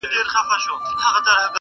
چي پر سمه لاره ځم راته قهرېږي؛